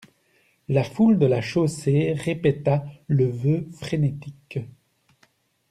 La foule de la chaussée répéta le vœu frénétique.